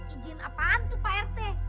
izin apaan tuh pak rt